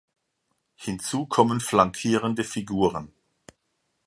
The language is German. Hinzu kommen flankierende Figuren.